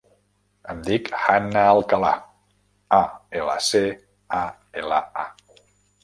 Em dic Hanna Alcala: a, ela, ce, a, ela, a.